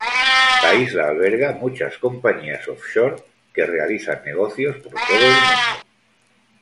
La isla alberga muchas compañías "offshore", que realizan negocios por todo el mundo.